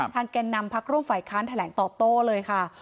แก่นนำพักร่วมฝ่ายค้านแถลงตอบโต้เลยค่ะ